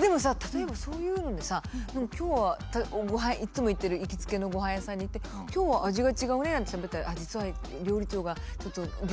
でもさ例えばそういうのにさ今日はいつも行ってる行きつけのご飯屋さんに行って「今日は味が違うね」なんてしゃべったら実は料理長がちょっと病気で。